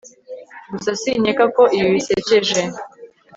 gusa sinkeka ko ibi bisekeje